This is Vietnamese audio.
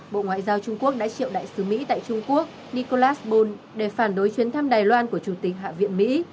bộ ngoại giao trung quốc đã triệu đại sứ mỹ tại trung quốc nicolasburl để phản đối chuyến thăm đài loan của chủ tịch hạ viện mỹ